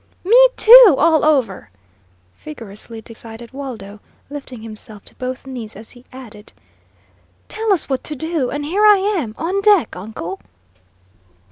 "Me too, all over!" vigorously decided Waldo, lifting himself to both knees as he added: "Tell us what to do, and here I am, on deck, uncle."